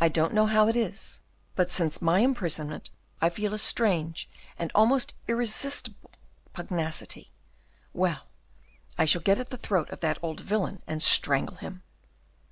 I don't know how it is, but since my imprisonment I feel a strange and almost irresistible pugnacity. Well, I shall get at the throat of that old villain, and strangle him."